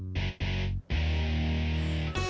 pasin gak lu